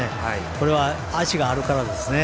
これは脚があるからですね。